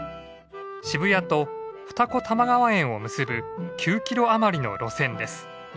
渋谷と二子玉川園を結ぶ９キロあまりの路線です。